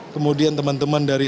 kemudian teman teman dari